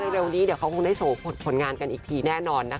เร็วนี้เดี๋ยวเขาคงได้โชว์ผลงานกันอีกทีแน่นอนนะคะ